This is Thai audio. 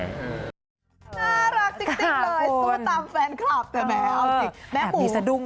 น่ารักจริงเลยสู้ตามแฟนคลับแต่แม่เอาจริง